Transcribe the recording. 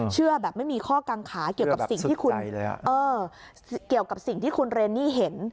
เชื่อแบบไม่มีข้อกังขาเกี่ยวกับสิ่งที่คุณเรนนี่เห็น